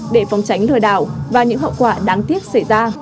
để phòng tránh lừa đảo và những hậu quả đáng tiếc xảy ra